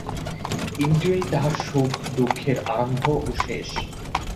ইন্দ্রিয়েই তাহার সুখ-দুঃখের আরম্ভ ও শেষ।